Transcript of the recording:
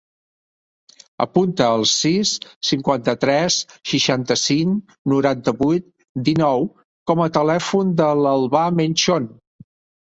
Apunta el sis, cinquanta-tres, seixanta-cinc, noranta-vuit, dinou com a telèfon de l'Albà Menchon.